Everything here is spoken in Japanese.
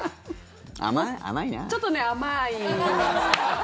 ちょっと甘い。